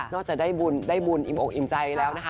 จะได้บุญได้บุญอิ่มอกอิ่มใจแล้วนะคะ